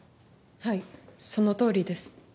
はいそのとおりです。